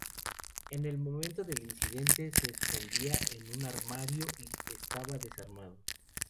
En el momento del incidente, se escondía en un armario y estaba desarmado.